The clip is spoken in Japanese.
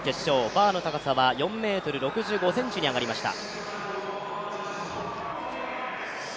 バーの高さは４ｍ６５ｃｍに上がりました。